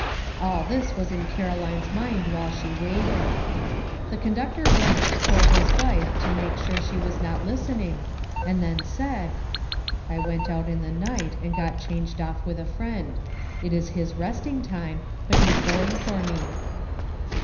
All this was in Caroline's mind while she waited. The conductor glanced toward his wife to make sure she was not listening, and then said :" I went out in the night and got changed off with a friend; it is his resting time, but he's going for me."